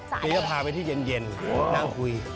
ปีก็พาไปที่เย็นนั่งคุย